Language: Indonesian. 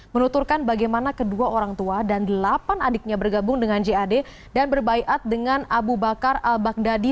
menuturkan bagaimana kedua orang tua dan delapan adiknya bergabung dengan jad dan berbaikat dengan abu bakar al baghdadi